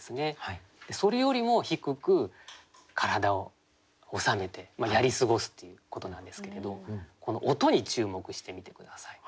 それよりも低く体を収めてやり過ごすっていうことなんですけれどこの音に注目してみて下さい。